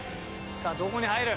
さあどこに入る？